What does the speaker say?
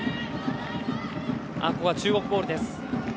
ここは中国ボールです。